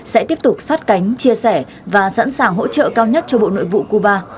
sẽ tiếp tục sát cánh chia sẻ và sẵn sàng hỗ trợ cao nhất cho bộ nội vụ cuba